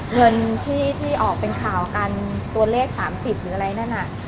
เงินที่ออกเป็นข่าวกันตัวเลข๓๐หรืออะไรนั่นน่ะ